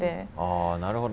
あなるほど。